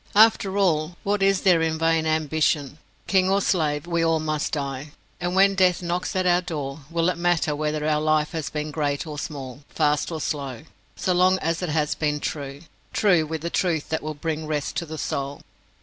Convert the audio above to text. After all, what is there in vain ambition? King or slave, we all must die, and when death knocks at our door, will it matter whether our life has been great or small, fast or slow, so long as it has been true true with the truth that will bring rest to the soul?